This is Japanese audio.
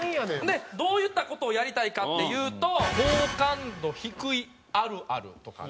でどういった事をやりたいかっていうと好感度低いあるあるとかね。